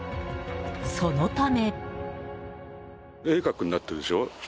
そのため。